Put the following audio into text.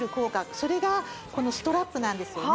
それがこのストラップなんですよね